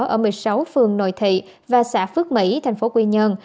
ở một mươi sáu phường nội thị và xã phước mỹ thành phố quy nhơn